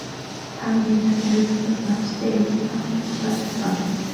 Та нарын чанд хариуцлагаас малчдын ажил олон талаар шалтгаална.